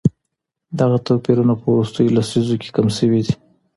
دغه توپيرونه په وروستيو لسيزو کي کم سوي دي.